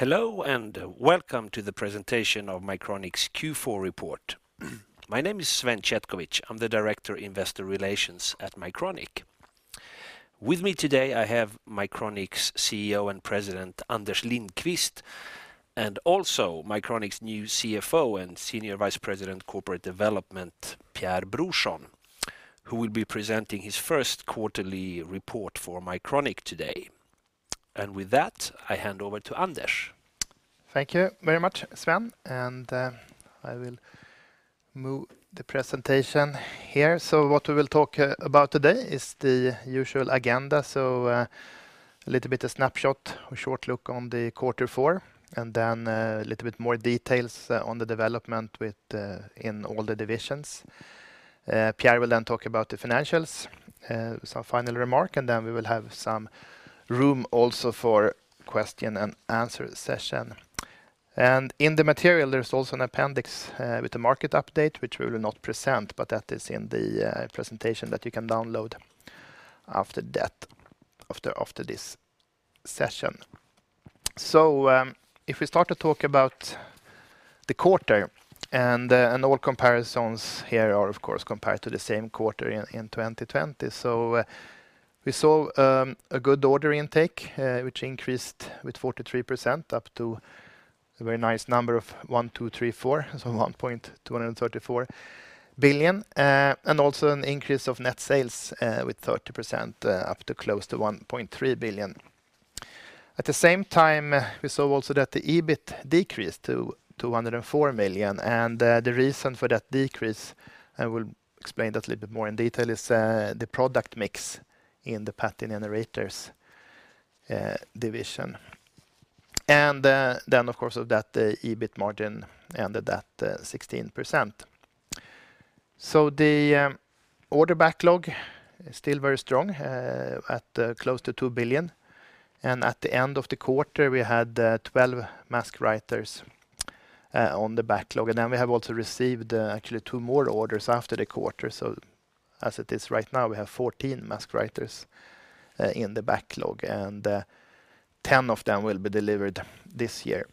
Hello, and welcome to the presentation of Mycronic's Q4 report. My name is Sven Chetkovich. I'm the Director Investor Relations at Mycronic. With me today, I have Mycronic's CEO and President, Anders Lindqvist, and also Mycronic's new CFO and Senior Vice President Corporate Development, Pierre Brorsson, who will be presenting his first quarterly report for Mycronic today. With that, I hand over to Anders. Thank you very much, Sven, and I will move the presentation here. What we will talk about today is the usual agenda. A little bit of snapshot, a short look on the Q4, and then a little bit more details on the development within all the divisions. Pierre will then talk about the financials, some final remark, and then we will have some room also for question and answer session. In the material, there's also an appendix with the market update, which we will not present, but that is in the presentation that you can download after that, after this session. If we start to talk about the quarter, and all comparisons here are of course compared to the same quarter in 2020. We saw a good order intake, which increased with 43% up to a very nice number of 1,234, so 1.234 billion. Also an increase of net sales with 30% up to close to 1.3 billion. At the same time, we saw also that the EBIT decreased to 104 million. The reason for that decrease, I will explain that a little bit more in detail, is the product mix in the Pattern Generators division. Then of course that EBIT margin ended at 16%. The order backlog is still very strong at close to 2 billion. At the end of the quarter, we had 12 mask writers on the backlog. We have also received, actually two more orders after the quarter. As it is right now, we have 14 mask writers in the backlog, and 10 of them will be delivered this year.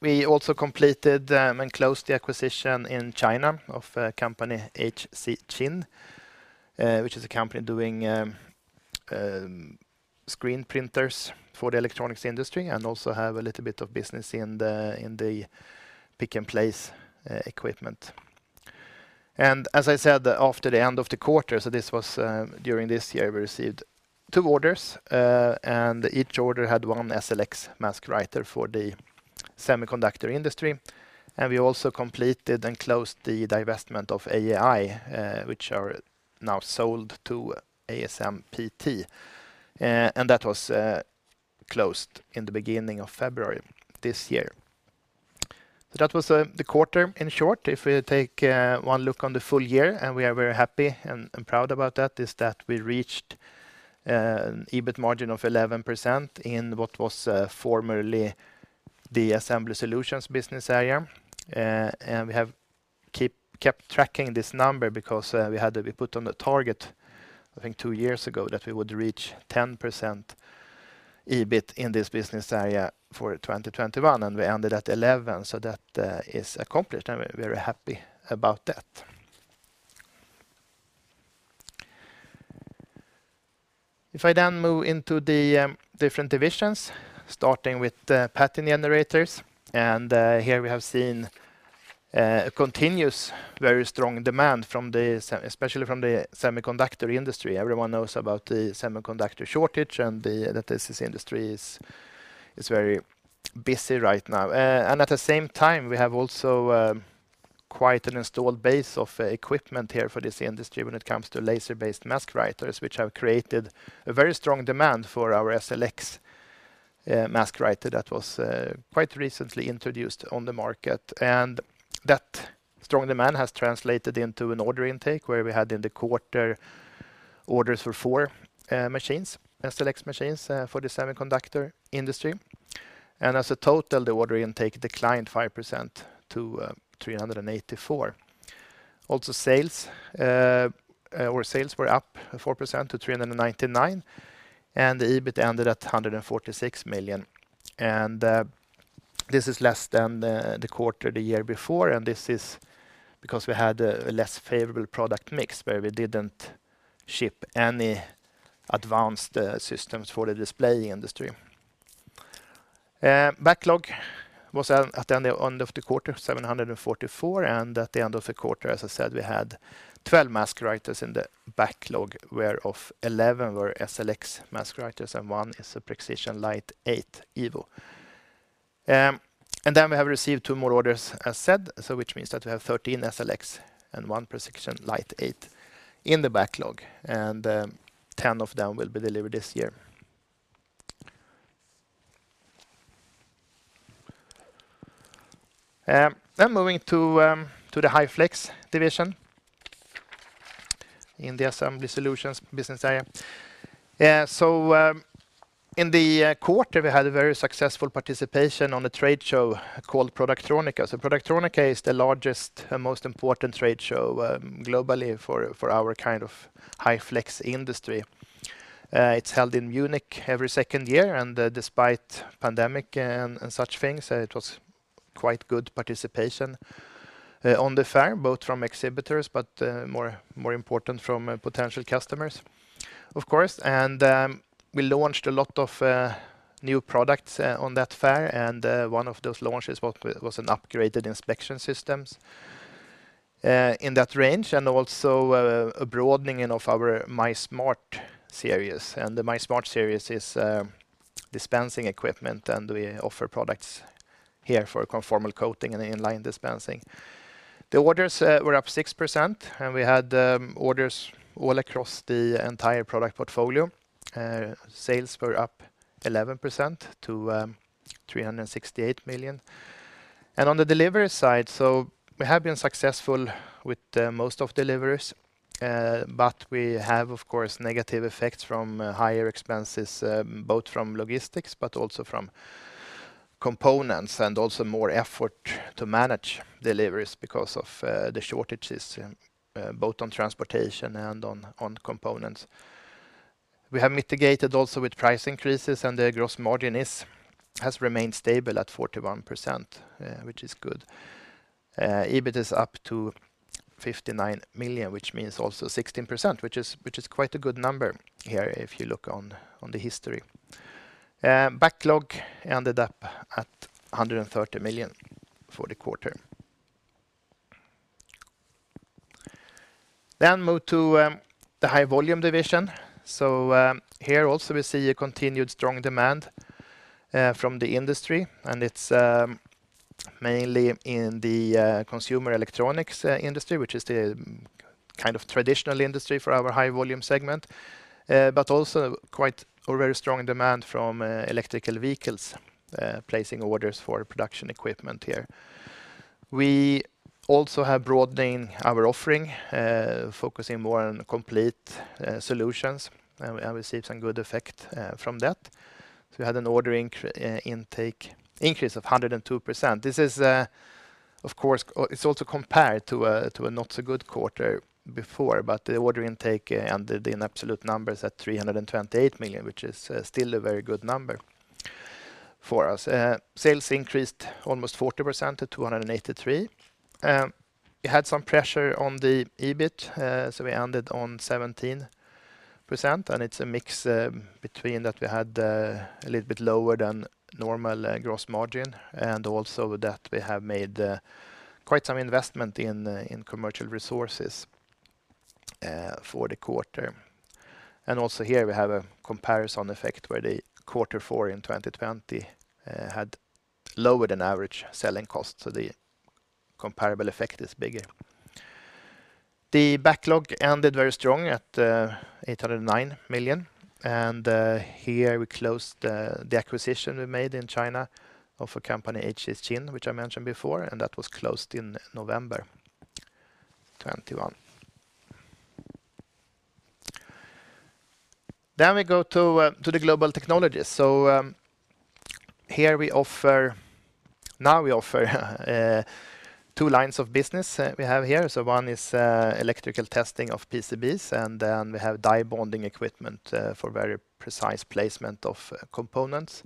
We also completed and closed the acquisition in China of a company HC Xin, which is a company doing screen printers for the electronics industry and also have a little bit of business in the pick and place equipment. As I said, after the end of the quarter, this was during this year, we received two orders, and each order had one SLX mask writer for the semiconductor industry. We also completed and closed the divestment of AEi, which are now sold to ASMPT. That was closed in the beginning of February this year. That was the quarter in short. If we take one look on the full year, and we are very happy and proud about that, is that we reached an EBIT margin of 11% in what was formerly the Assembly Solutions business area. We have kept tracking this number because we had to be put on a target, I think two years ago, that we would reach 10% EBIT in this business area for 2021, and we ended at 11. That is accomplished, and we're very happy about that. If I then move into the different divisions, starting with Pattern Generators, here we have seen a continuous, very strong demand from the semiconductor industry. Everyone knows about the semiconductor shortage and that this industry is very busy right now. At the same time, we have also quite an installed base of equipment here for this industry when it comes to laser-based mask writers, which have created a very strong demand for our SLX mask writer that was quite recently introduced on the market. That strong demand has translated into an order intake where we had in the quarter orders for 4 SLX machines for the semiconductor industry. As a total, the order intake declined 5% to 384. Also, sales were up 4% to 399, and the EBIT ended at 146 million. This is less than the quarter the year before, and this is because we had a less favorable product mix where we didn't ship any advanced systems for the display industry. Backlog was at the end of the quarter, 744, and at the end of the quarter, as I said, we had 12 mask writers in the backlog whereof 11 were SLX mask writers and one is a Prexision 800 Evo. We have received two more orders as said, which means that we have 13 SLX and one Prexision 800 in the backlog, and 10 of them will be delivered this year. Moving to the High Flex division in the Assembly Solutions business area. In the quarter, we had a very successful participation on a trade show called productronica. Productronica is the largest and most important trade show globally for our kind of High Flex industry. It's held in Munich every second year, and despite pandemic and such things, it was quite good participation at the fair, both from exhibitors, but more important from potential customers, of course. We launched a lot of new products on that fair, and one of those launches was an upgraded inspection systems in that range, and also a broadening of our MYSmart series. The MYSmart series is dispensing equipment, and we offer products here for conformal coating and inline dispensing. The orders were up 6%, and we had orders all across the entire product portfolio. Sales were up 11% to 368 million. On the delivery side, we have been successful with most of deliveries, but we have, of course, negative effects from higher expenses, both from logistics, but also from components, and also more effort to manage deliveries because of the shortages, both on transportation and on components. We have mitigated also with price increases, and the gross margin has remained stable at 41%, which is good. EBIT is up to 59 million, which means also 16%, which is quite a good number here if you look on the history. Backlog ended up at 130 million for the quarter. Move to the High Volume division. Here also we see a continued strong demand from the industry, and it's mainly in the consumer electronics industry, which is the kind of traditional industry for our High Volume segment, but also quite a very strong demand from electric vehicles placing orders for production equipment here. We also have broadened our offering focusing more on complete solutions, and we see some good effect from that. We had an order intake increase of 102%. This is of course it's also compared to a not so good quarter before, but the order intake ended in absolute numbers at 328 million, which is still a very good number for us. Sales increased almost 40% to 283 million. We had some pressure on the EBIT, so we ended on 17%, and it's a mix between that we had a little bit lower than normal gross margin and also that we have made quite some investment in commercial resources for the quarter. Also here we have a comparison effect where Q4 in 2020 had lower than average selling cost, so the comparable effect is bigger. The backlog ended very strong at 809 million, and here we closed the acquisition we made in China of a company HC Xin, which I mentioned before, and that was closed in November 2021. We go to the Global Technologies. Now we offer two lines of business, we have here. One is electrical testing of PCBs, and then we have die bonding equipment for very precise placement of components.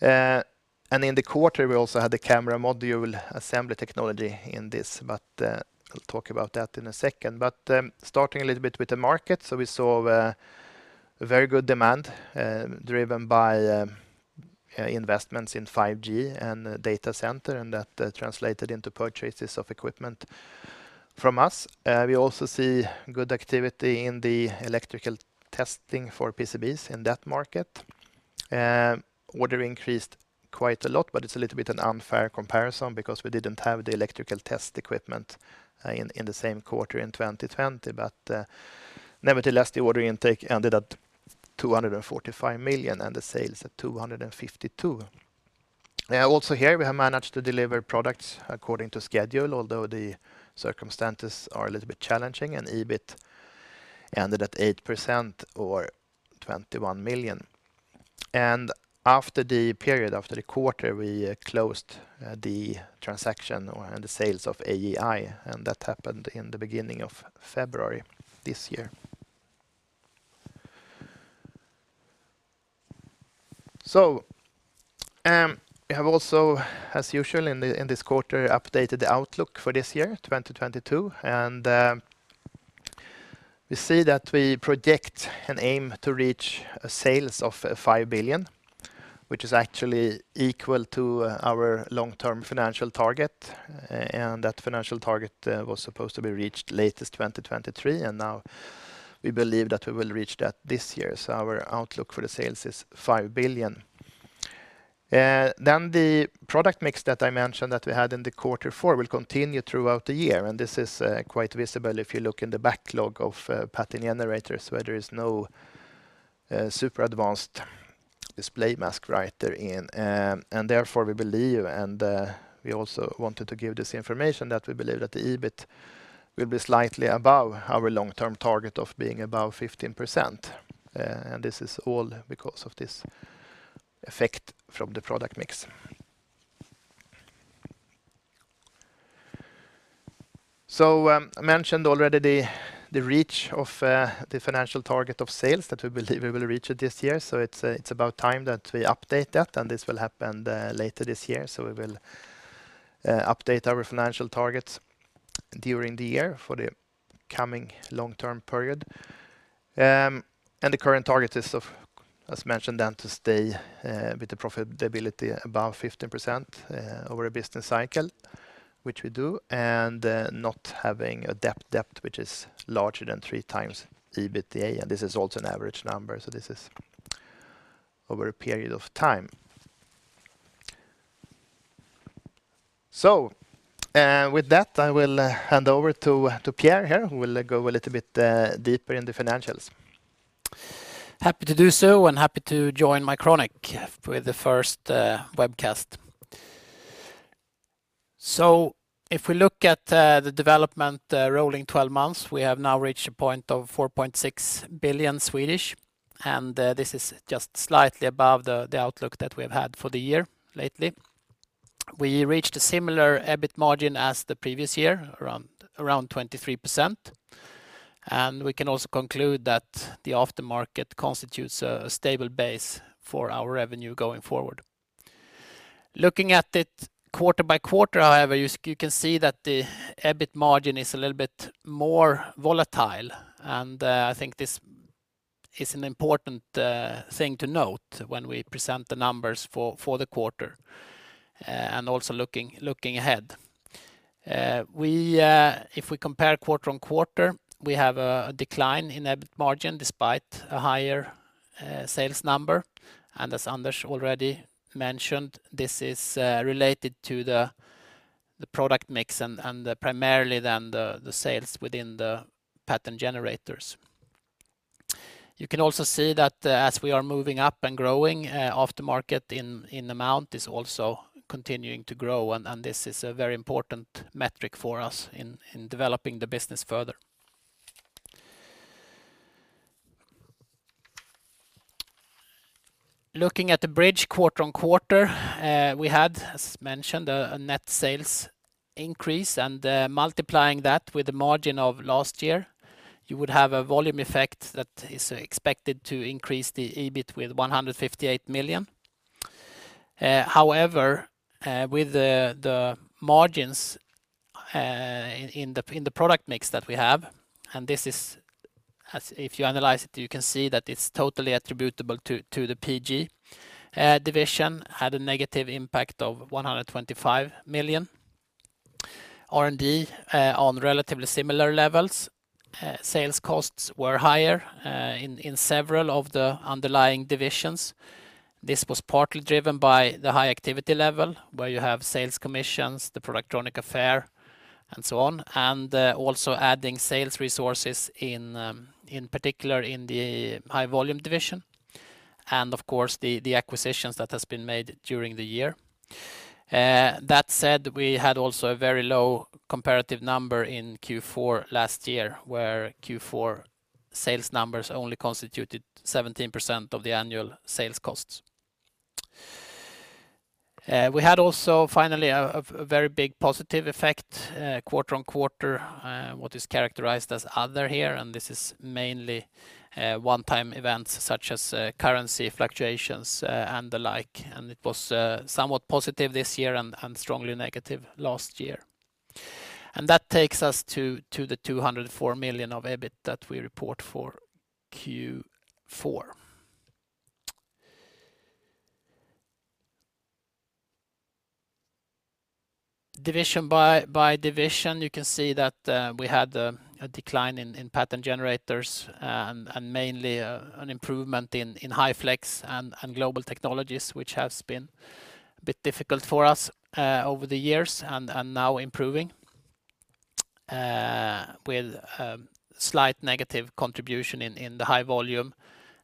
In the quarter, we also had the camera module assembly technology in this, but I'll talk about that in a second. Starting a little bit with the market. We saw a very good demand driven by investments in 5G and data center, and that translated into purchases of equipment from us. We also see good activity in the electrical testing for PCBs in that market. Order increased quite a lot, but it's a little bit an unfair comparison because we didn't have the electrical test equipment in the same quarter in 2020. Nevertheless, the order intake ended at 245 million and the sales at 252 million. Also here we have managed to deliver products according to schedule, although the circumstances are a little bit challenging, and EBIT ended at 8% or 21 million. After the period, after the quarter, we closed the transaction or the sales of AEi, and that happened in the beginning of February this year. We have also, as usual in this quarter, updated the outlook for this year, 2022. We see that we project and aim to reach sales of 5 billion, which is actually equal to our long-term financial target. That financial target was supposed to be reached latest 2023, and now we believe that we will reach that this year. Our outlook for the sales is 5 billion. The product mix that I mentioned that we had in the Q4 will continue throughout the year, and this is quite visible if you look in the backlog of pattern generators, where there is no super advanced display mask writer in. Therefore we believe, and we also wanted to give this information that we believe that the EBIT will be slightly above our long-term target of being above 15%. This is all because of this effect from the product mix. I mentioned already the reaching of the financial target of sales that we believe we will reach it this year. It's about time that we update that, and this will happen later this year. We will update our financial targets during the year for the coming long-term period. The current target is, as mentioned, then to stay with the profitability above 15% over a business cycle, which we do, and not having a debt which is larger than three times EBITDA. This is also an average number, so this is over a period of time. With that, I will hand over to Pierre here, who will go a little bit deeper in the financials. Happy to do so, and happy to join Mycronic with the first webcast. If we look at the development rolling 12 months, we have now reached a point of 4.6 billion, and this is just slightly above the outlook that we've had for the year lately. We reached a similar EBIT margin as the previous year, around 23%. We can also conclude that the after market constitutes a stable base for our revenue going forward. Looking at it quarter by quarter, however, you can see that the EBIT margin is a little bit more volatile. I think this is an important thing to note when we present the numbers for the quarter, and also looking ahead. If we compare quarter-over-quarter, we have a decline in EBIT margin despite a higher sales number. As Anders already mentioned, this is related to the product mix and primarily then the sales within the Pattern Generators. You can also see that, as we are moving up and growing, aftermarket in amount is also continuing to grow and this is a very important metric for us in developing the business further. Looking at the bridge quarter-over-quarter, we had, as mentioned, a net sales increase, and multiplying that with the margin of last year, you would have a volume effect that is expected to increase the EBIT with 158 million. However, with the margins in the product mix that we have, and this is as if you analyze it, you can see that it's totally attributable to the PG division, had a negative impact of 125 million. R&D on relatively similar levels. Sales costs were higher in several of the underlying divisions. This was partly driven by the high activity level where you have sales commissions, the productronica, and so on. Also adding sales resources in particular in the High Volume division and of course the acquisitions that has been made during the year. That said, we had also a very low comparative number in Q4 last year, where Q4 sales numbers only constituted 17% of the annual sales costs. We had also finally a very big positive effect quarter-on-quarter what is characterized as other here, and this is mainly one-time events such as currency fluctuations and the like. It was somewhat positive this year and strongly negative last year. That takes us to 204 million of EBIT that we report for Q4. Division by division, you can see that we had a decline in Pattern Generators and mainly an improvement in High Flex and Global Technologies, which has been a bit difficult for us over the years and now improving with slight negative contribution in the High Volume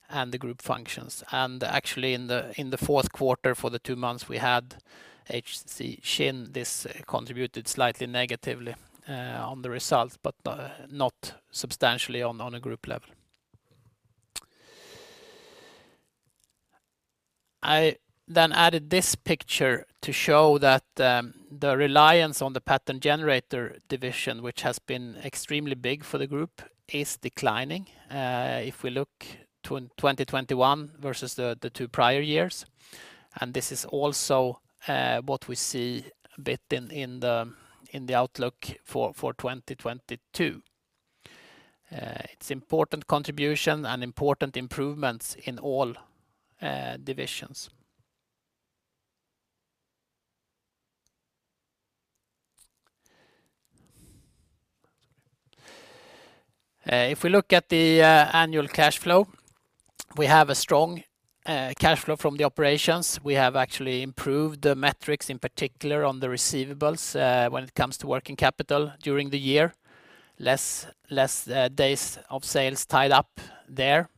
and the group functions. Actually in the Q4 for the two months we had HC Xin, this contributed slightly negatively on the results, but not substantially on a group level. I then added this picture to show that the reliance on the Pattern Generators division, which has been extremely big for the group, is declining if we look at 2021 versus the two prior years, and this is also what we see a bit in the outlook for 2022. It's important contribution and important improvements in all divisions. If we look at the annual cash flow, we have a strong cash flow from the operations. We have actually improved the metrics, in particular on the receivables, when it comes to working capital during the year. Less days of sales tied up there.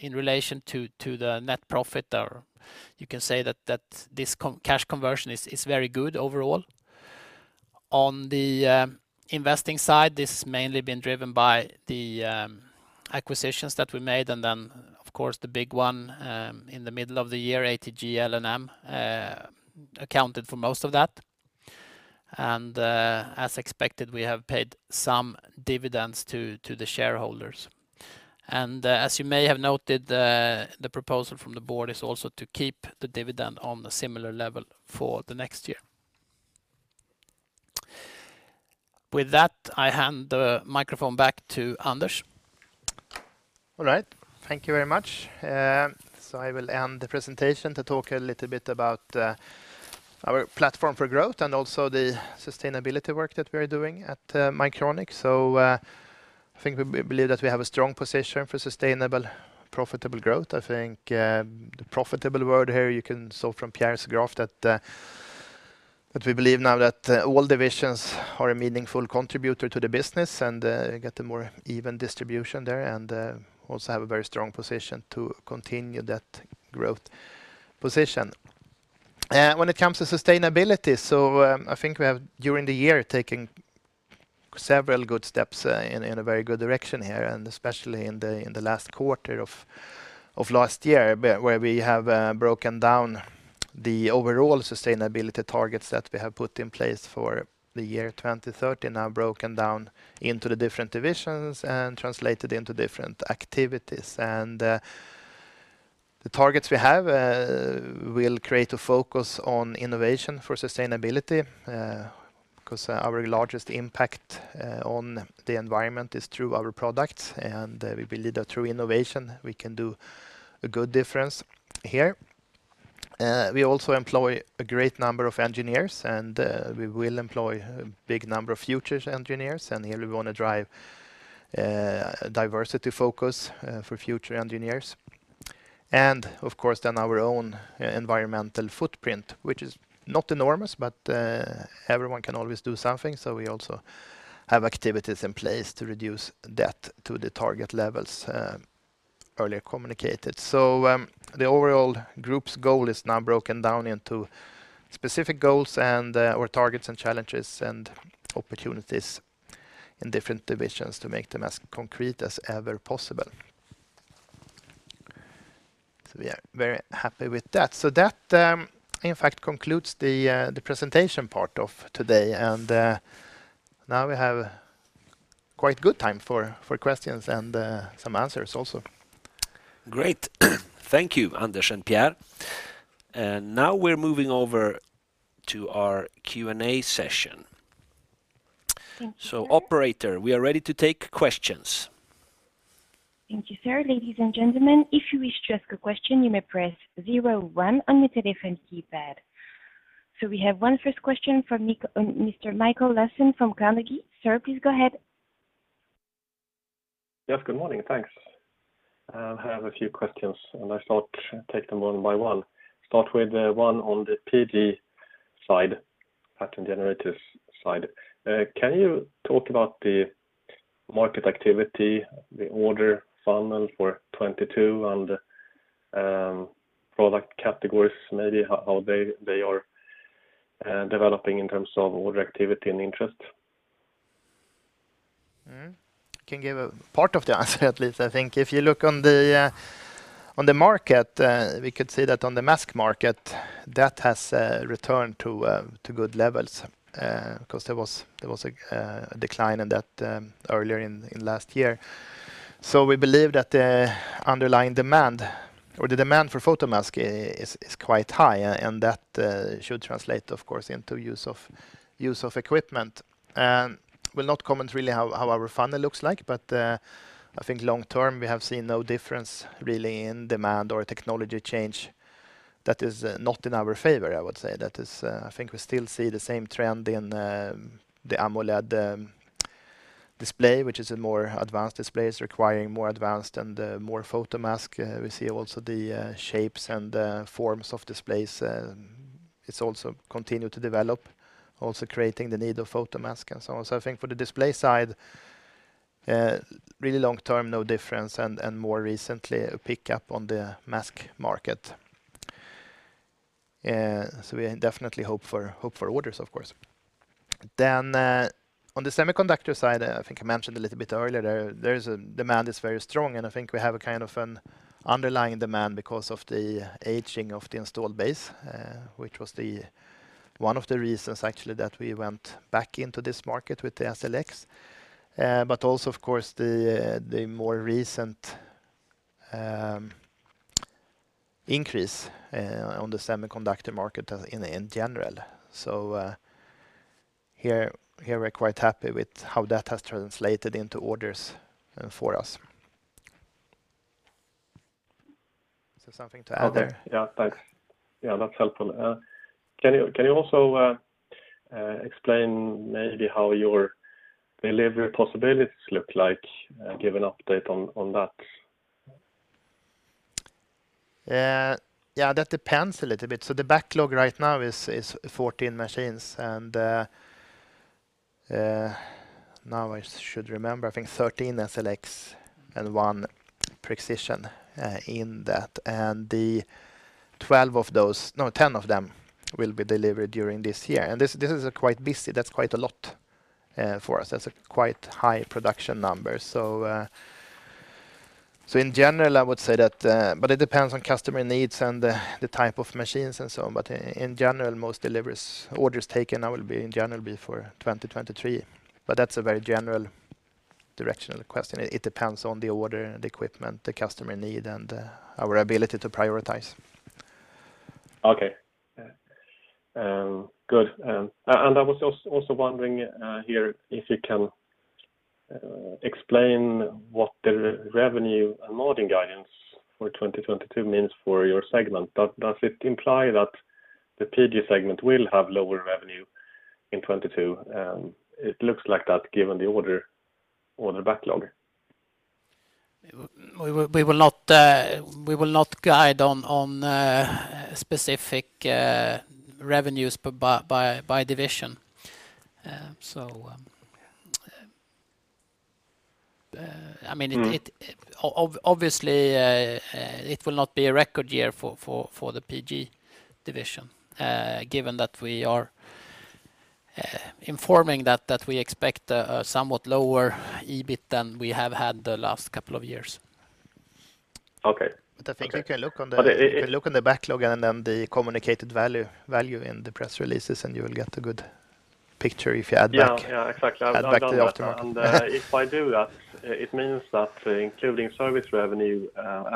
In relation to the net profit or you can say that this cash conversion is very good overall. On the investing side, this has mainly been driven by the acquisitions that we made, and then of course, the big one in the middle of the year, ATG Luther & Maelzer accounted for most of that. As expected, we have paid some dividends to the shareholders. As you may have noted, the proposal from the board is also to keep the dividend on the similar level for the next year. With that, I hand the microphone back to Anders. All right. Thank you very much. I will end the presentation to talk a little bit about our platform for growth and also the sustainability work that we're doing at Mycronic. I think we believe that we have a strong position for sustainable, profitable growth. I think the profitable word here you can see from Pierre's graph that we believe now that all divisions are a meaningful contributor to the business and get a more even distribution there and also have a very strong position to continue that growth position. When it comes to sustainability, I think we have during the year taken several good steps in a very good direction here, especially in the last quarter of last year, where we have broken down the overall sustainability targets that we have put in place for the year 2030 now broken down into the different divisions and translated into different activities. The targets we have will create a focus on innovation for sustainability, 'cause our largest impact on the environment is through our products, and we believe that through innovation, we can do a good difference here. We also employ a great number of engineers, and we will employ a big number of future engineers. Here we want to drive a diversity focus for future engineers. Of course, then our own environmental footprint, which is not enormous, but everyone can always do something. We also have activities in place to reduce that to the target levels, earlier communicated. The overall group's goal is now broken down into specific goals and or targets and challenges and opportunities in different divisions to make them as concrete as ever possible. We are very happy with that. That, in fact, concludes the presentation part of today. Now we have quite good time for questions and some answers also. Great. Thank you, Anders and Pierre. Now we're moving over to our Q&A session. Thank you, sir. Operator, we are ready to take questions. Thank you, sir. We have our first question from Mr. Mikael Laséen from Carnegie. Sir, please go ahead. Yes, good morning. Thanks. I have a few questions, and I thought take them one by one. Start with one on the PG side, Pattern Generators side. Can you talk about the market activity, the order funnel for 2022 and product categories, maybe how they are developing in terms of order activity and interest? I can give a part of the answer, at least. I think if you look on the market, we could say that on the photomask market, that has returned to good levels, 'cause there was a decline in that earlier in last year. We believe that the underlying demand or the demand for photomask is quite high, and that should translate, of course, into use of equipment. Will not comment really how our funnel looks like, but I think long term, we have seen no difference really in demand or technology change that is not in our favor, I would say. I think we still see the same trend in the AMOLED display, which is a more advanced display. It's requiring more advanced and more photomask. We see also the shapes and forms of displays. It's also continue to develop, also creating the need of photomask and so on. I think for the display side, really long term, no difference, and more recently, a pickup on the mask market. We definitely hope for orders, of course. On the semiconductor side, I think I mentioned a little bit earlier, the demand is very strong, and I think we have a kind of an underlying demand because of the aging of the installed base, which was one of the reasons actually that we went back into this market with the SLX. But also, of course, the more recent increase on the semiconductor market in general. Here we're quite happy with how that has translated into orders for us. Is there something to add there? Okay. Yeah. Thanks. Yeah. That's helpful. Can you also explain maybe how your delivery possibilities look like? Give an update on that? Yeah, that depends a little bit. The backlog right now is 14 machines, and now I should remember, I think 13 SLX and one Prexision in that, and 10 of them will be delivered during this year. This is quite busy. That's quite a lot for us. That's quite a high production number. In general, I would say that. But it depends on customer needs and the type of machines and so on. But in general, most deliveries, orders taken now will be for 2023. But that's a very general direction of the question. It depends on the order and equipment the customer need and our ability to prioritize. I was also wondering here if you can explain what the revenue and margin guidance for 2022 means for your segment. Does it imply that the PG segment will have lower revenue in 2022? It looks like that given the order backlog. We will not guide on specific revenues by division. So, I mean, it obviously, it will not be a record year for the PG division, given that we are informing that we expect a somewhat lower EBIT than we have had the last couple of years. Okay. I think you can look on the backlog and then the communicated value in the press releases, and you will get a good picture if you add back. Yeah, exactly. I've done that add back the aftermarket. If I do that, it means that including service revenue,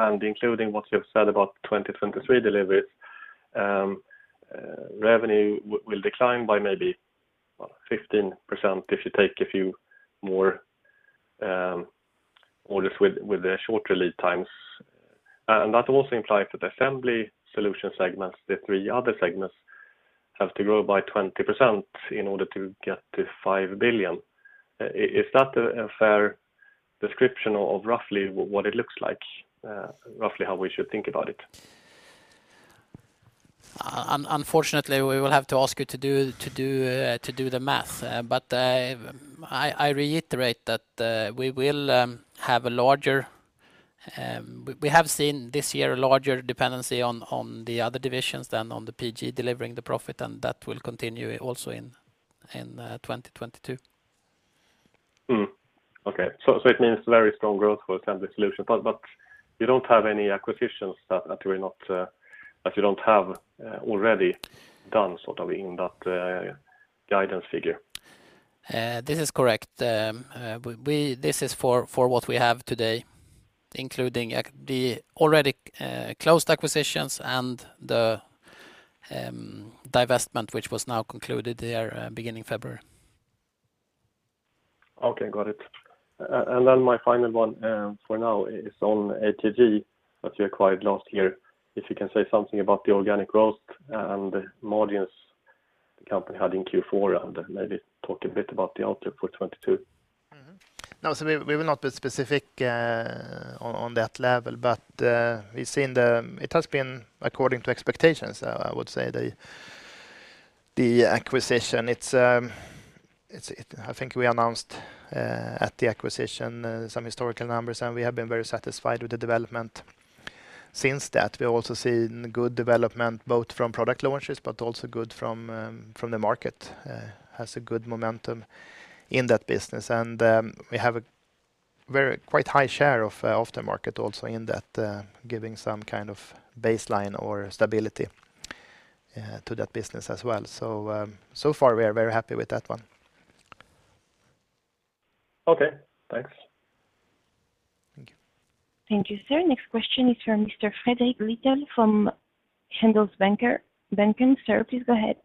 and including what you have said about 2023 deliveries, revenue will decline by maybe, what, 15% if you take a few more orders with the shorter lead times. That also implies that Assembly Solutions segments, the three other segments, have to grow by 20% in order to get to 5 billion. Is that a fair description of roughly what it looks like, roughly how we should think about it? Unfortunately, we will have to ask you to do the math. I reiterate that we have seen this year a larger dependency on the other divisions than on the PG delivering the profit, and that will continue also in 2022. Okay. It means very strong growth for Assembly Solutions. You don't have any acquisitions that you don't have already done, sort of, in that guidance figure? This is correct. This is for what we have today, including the already closed acquisitions and the divestment which was now concluded there, beginning February. Okay, got it. My final one, for now, is on ATG that you acquired last year. If you can say something about the organic growth and margins the company had in Q4 and maybe talk a bit about the outlook for 2022. No, we will not be specific on that level. We've seen it has been according to expectations, I would say. I think we announced at the acquisition some historical numbers, and we have been very satisfied with the development since that. We have also seen good development both from product launches but also good from the market has a good momentum in that business. We have a very quite high share of aftermarket also in that giving some kind of baseline or stability to that business as well. So far we are very happy with that one. Okay, thanks. Thank you. Thank you, sir. Next question is from Mr. Fredrik Lithell from Handelsbanken. Sir, please go ahead.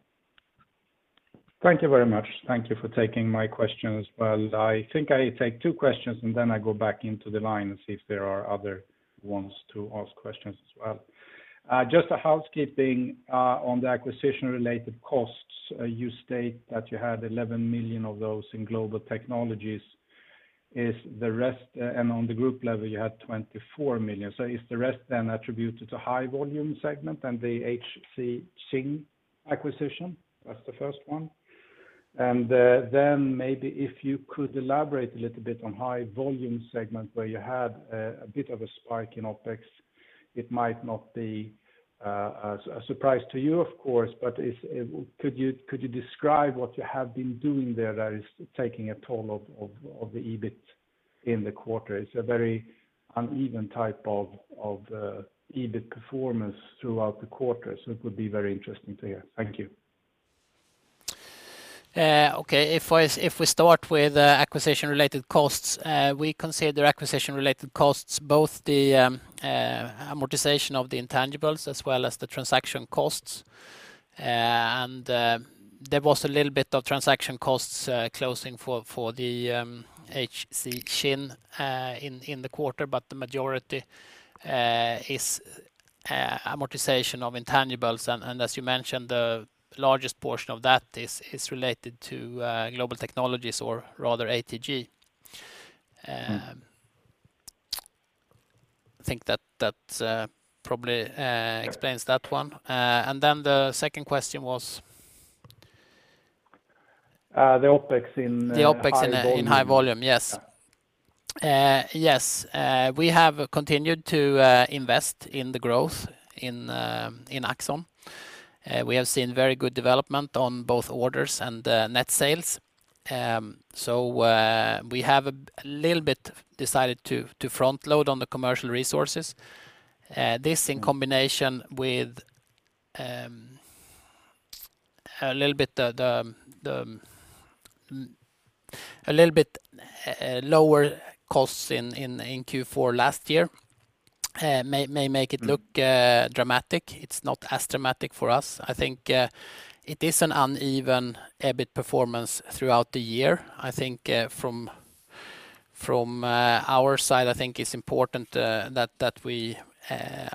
Thank you very much. Thank you for taking my question as well. I think I take two questions, and then I go back into the line and see if there are other ones to ask questions as well. Just a housekeeping on the acquisition-related costs. You state that you had 11 million of those in Global Technologies. Is the rest and on the group level, you had 24 million. So is the rest then attributed to High Volume segment and the HC Xin acquisition? That's the first one. Maybe if you could elaborate a little bit on High Volume segment where you had a bit of a spike in OpEx. It might not be a surprise to you, of course, but could you describe what you have been doing there that is taking a toll on the EBIT in the quarter? It's a very uneven type of EBIT performance throughout the quarter, so it would be very interesting to hear. Thank you. Okay. If we start with acquisition-related costs, we consider acquisition-related costs both the amortization of the intangibles as well as the transaction costs. There was a little bit of transaction costs closing for the HC Xin in the quarter, but the majority is amortization of intangibles. As you mentioned, the largest portion of that is related to Global Technologies or rather ATG. I think that probably explains that one. The second question was? The OpEx in High Volume. The OpEx in High Volume. Yes. We have continued to invest in the growth in Axxon. We have seen very good development on both orders and net sales. We have a little bit decided to front load on the commercial resources. This in combination with a little bit lower costs in Q4 last year may make it look dramatic. It's not as dramatic for us. I think it is an uneven EBIT performance throughout the year. I think from our side, I think it's important that we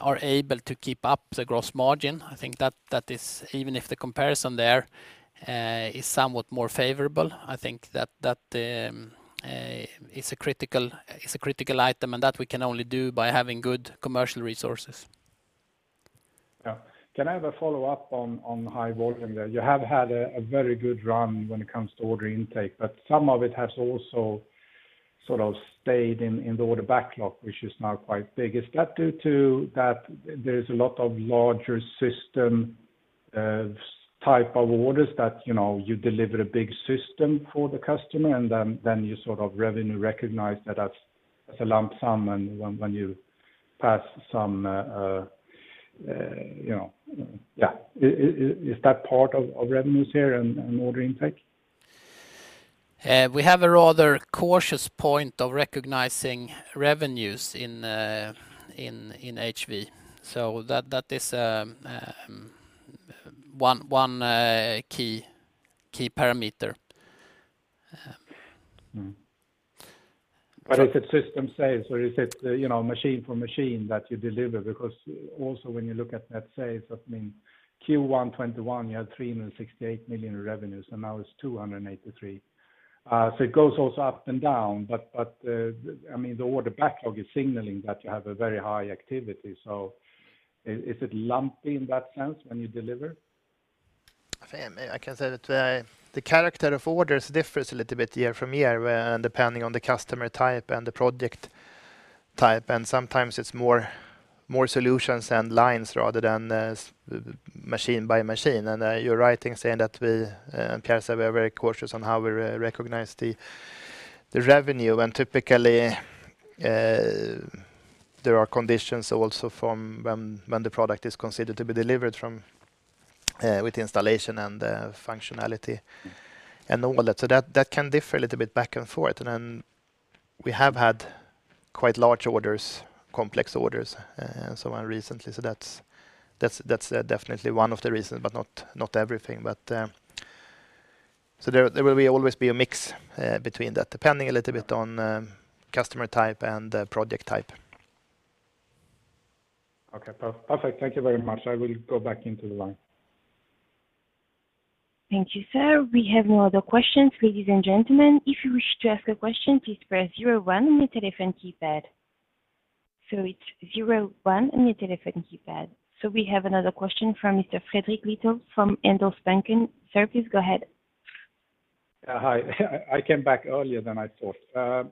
are able to keep up the gross margin. I think that is, even if the comparison there is somewhat more favorable, I think that is a critical item, and that we can only do by having good commercial resources. Yeah. Can I have a follow-up on High Volume there? You have had a very good run when it comes to order intake, but some of it has also sort of stayed in the order backlog, which is now quite big. Is that due to that there's a lot of larger system-type of orders that you deliver a big system for the customer and then you sort of revenue recognize that as a lump sum and when you pass some, you know? Yeah. Is that part of revenues here and order intake? We have a rather cautious point of recognizing revenues in HV. That is one key parameter. Is it system sales or is it machine for machine that you deliver? Because also when you look at net sales, I mean, Q1 2021, you had 368 million revenues, and now it's 283 million. So it goes also up and down. I mean, the order backlog is signaling that you have a very high activity. Is it lumpy in that sense when you deliver? I can say that the character of orders differs a little bit year from year, depending on the customer type and the project type. Sometimes it's more solutions and lines rather than machine by machine. You're right in saying that we, Pierre, are very cautious on how we recognize the revenue. Typically, there are conditions also from when the product is considered to be delivered from with installation and functionality and all that. That can differ a little bit back and forth. Then we have had quite large orders, complex orders, and so on recently. That's definitely one of the reasons, but not everything. There will always be a mix between that, depending a little bit on customer type and project type. Okay. Perfect. Thank you very much. I will go back into the line. Thank you, sir. We have no other questions, ladies and gentlemen. If you wish to ask a question, please press zero-one on your telephone keypad. It's zero-one on your telephone keypad. We have another question from Mr. Fredrik Lithell from Handelsbanken. Sir, please go ahead. Hi. I came back earlier than I thought.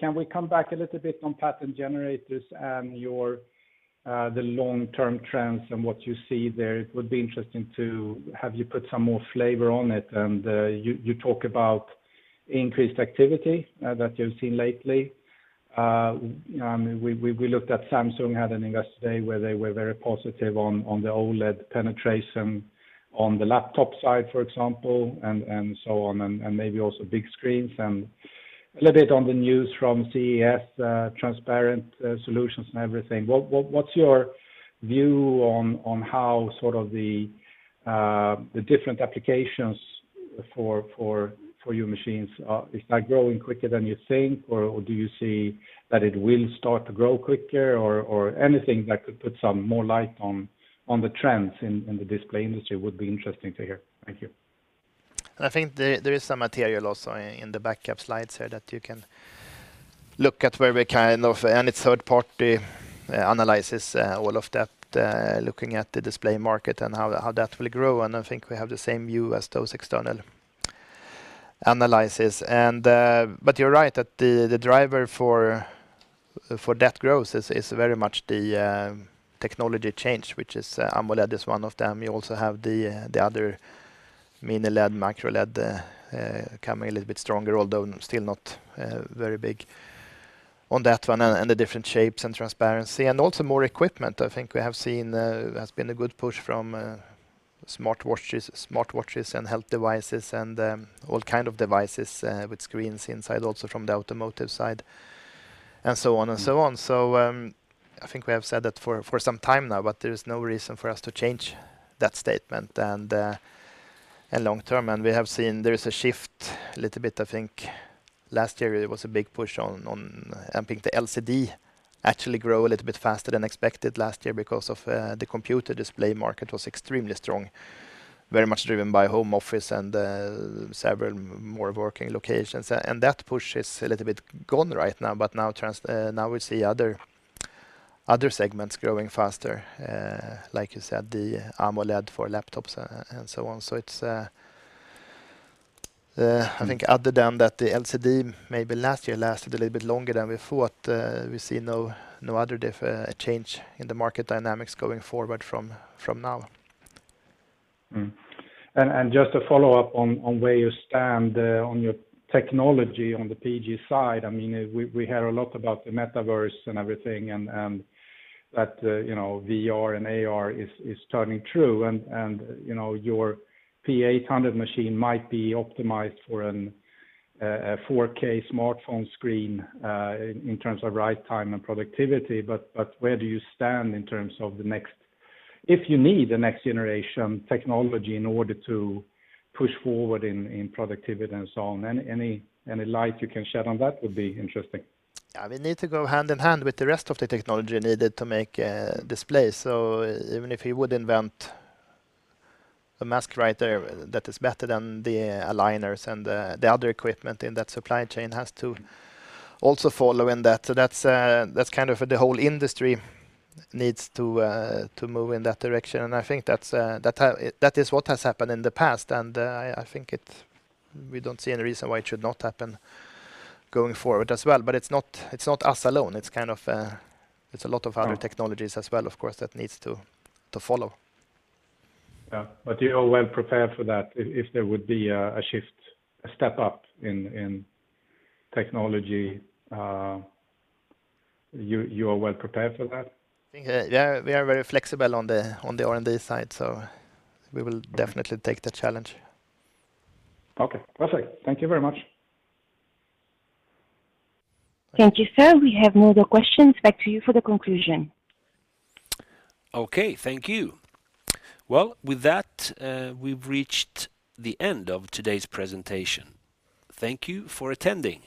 Can we come back a little bit on Pattern Generators and your the long-term trends and what you see there? It would be interesting to have you put some more flavor on it. You talk about increased activity that you've seen lately. We looked at Samsung had an investor day where they were very positive on the OLED penetration on the laptop side, for example, and so on, and maybe also big screens and a little bit on the news from CES, transparent solutions and everything. What's your view on how sort of the different applications for your machines? Is that growing quicker than you think or do you see that it will start to grow quicker or anything that could put some more light on the trends in the display industry would be interesting to hear? Thank you. I think there is some material also in the backup slides here that you can look at where we kind of. It's third party analysis all of that looking at the display market and how that will grow. I think we have the same view as those external analysis. But you're right that the driver for that growth is very much the technology change, which is AMOLED is one of them. You also have the other Mini-LED, Micro-LED coming a little bit stronger, although still not very big on that one, and the different shapes and transparency, and also more equipment. I think we have seen there has been a good push from smart watches and health devices and all kinds of devices with screens inside, also from the automotive side and so on and so on. I think we have said that for some time now, but there is no reason for us to change that statement. Long-term, we have seen there is a shift a little bit. I think last year there was a big push on ramping the LCD actually grew a little bit faster than expected last year because of the computer display market was extremely strong. Very much driven by home office and several more working locations. That push is a little bit gone right now, but now we see other segments growing faster, like you said, the AMOLED for laptops and so on. I think other than that, the LCD maybe last year lasted a little bit longer than we thought. We see no other change in the market dynamics going forward from now. Just to follow up on where you stand on your technology on the PG side. I mean, we heard a lot about the metaverse and everything and that VR and AR is turning true and your Prexision 800 machine might be optimized for a 4K smartphone screen in terms of write time and productivity, but where do you stand in terms of the next. If you need a next generation technology in order to push forward in productivity and so on. Any light you can shed on that would be interesting. Yeah. We need to go hand in hand with the rest of the technology needed to make displays. Even if you would invent a mask writer that is better than the aligners and the other equipment in that supply chain has to also follow in that. That's kind of the whole industry needs to move in that direction. I think that's what has happened in the past, and I think we don't see any reason why it should not happen going forward as well. It's not us alone. It's kind of a lot of other Right. Global Technologies as well, of course, that needs to follow. Yeah. You are well prepared for that. If there would be a shift, a step up in technology, you are well prepared for that? I think, yeah, we are very flexible on the R&D side, so we will definitely take the challenge. Okay. Perfect. Thank you very much. Thank you, sir. We have no other questions. Back to you for the conclusion. Okay. Thank you. Well, with that, we've reached the end of today's presentation. Thank you for attending.